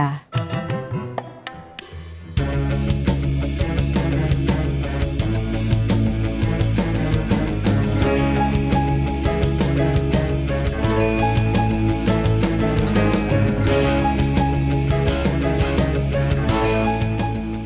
lalu dia mau sama saya